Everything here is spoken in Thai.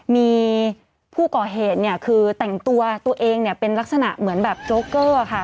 มีผู้ก่อเหตุเนี่ยคือแต่งตัวตัวเองเนี่ยเป็นลักษณะเหมือนแบบโจ๊กเกอร์ค่ะ